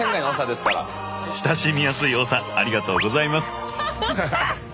親しみやすい長ありがとうございます！